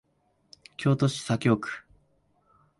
京都市左京区